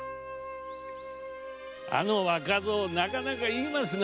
あの若造なかなか言いますな。